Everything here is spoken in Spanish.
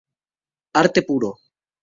Arte puro.